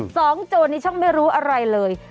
สองโจนนี้ช่องไม่รู้อะไรเลย